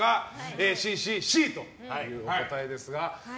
Ａ、Ｃ、Ｃ、Ｃという答えですが。